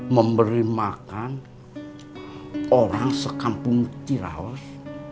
memberi makan orang sekampung tirawah